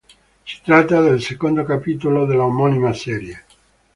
Si tratta del secondo capitolo dell'omonima serie.